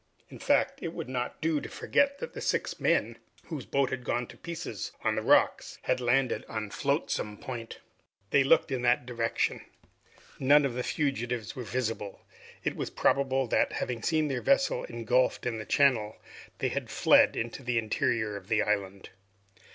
In fact, it would not do to forget that the six men whose boat had gone to pieces on the rocks had landed at Flotsam Point. They looked in that direction. None of the fugitives were visible. It was probable that, having seen their vessel engulfed in the channel, they had fled into the interior of the island.